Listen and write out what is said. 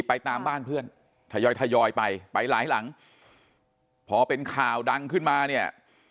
ไปตามบ้านเพื่อนทยอยทยอยไปไปหลายหลังพอเป็นข่าวดังขึ้นมาเนี่ย